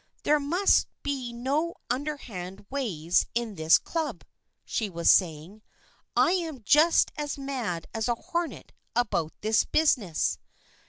" There must be no underhand ways in this Club/' she was saying. " I am just as mad as a hornet about this business.